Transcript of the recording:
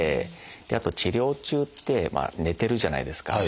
あと治療中って寝てるじゃないですか。